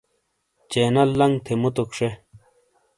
چینل لنگ تھے مُوتوک شے۔